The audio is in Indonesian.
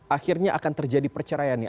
akhirnya akan terjadi perceraian